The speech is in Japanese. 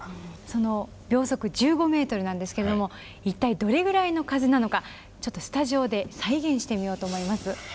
その秒速１５ｍなんですけれども一体どれぐらいの風なのかちょっとスタジオで再現してみようと思います。